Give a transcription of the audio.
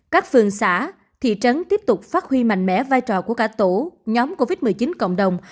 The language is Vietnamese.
các phường xã thị trấn tiếp tục phát huy mạnh mẽ vai trò của cả tổ nhóm covid một mươi chín cộng đồng